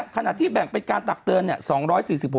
ขณะที่แบ่งเป็นการตักเตือนเนี่ย